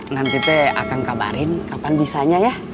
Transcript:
nanti p akan kabarin kapan bisanya ya